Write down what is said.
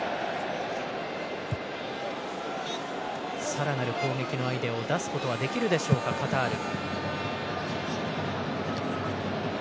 さらなる攻撃のアイデアを出すことができるでしょうかカタール。